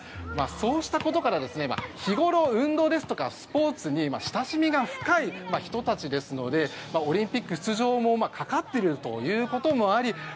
そうしたことから日ごろ、運動ですとかスポーツに親しみが深い人たちですのでオリンピック出場もかかっているということもあり